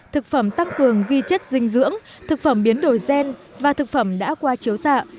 thực phẩm tăng cường vi chất dinh dưỡng thực phẩm biến đổi gen và thực phẩm đã qua chiếu xạ